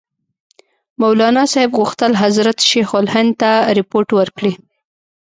مولناصاحب غوښتل حضرت شیخ الهند ته رپوټ ورکړي.